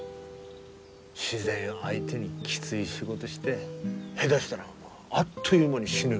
自然相手にきつい仕事して下手したらあっという間に死ぬ。